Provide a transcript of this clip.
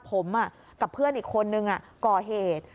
ผมกับเพื่อนอีกคนนึงก่อเหตุ